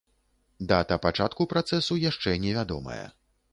Дата пачатку працэсу яшчэ невядомая.